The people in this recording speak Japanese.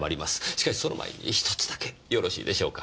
しかしその前に１つだけよろしいでしょうか？